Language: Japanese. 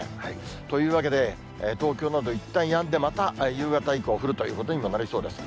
というわけで、東京などいったんやんで、また夕方以降、降るということにもなりそうです。